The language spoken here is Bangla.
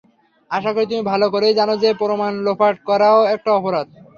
আশা করি তুমি ভালো করেই জানো যে প্রমাণ লোপাট করাও একটা অপরাধ।